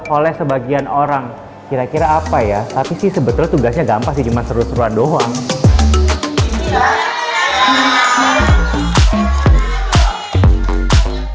oleh sebagian orang kira kira apa ya tapi sih sebetulnya tugasnya gampang sih cuma seru seruan doang